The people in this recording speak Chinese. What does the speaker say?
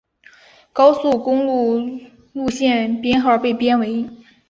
高速公路路线编号被编为。